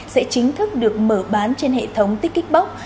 sẽ chính thức được mở bán trên hệ thống tikipok